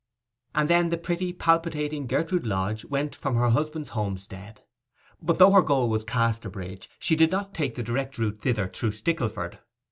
And then the pretty palpitating Gertrude Lodge went from her husband's homestead; but though her goal was Casterbridge she did not take the direct route thither through Stickleford.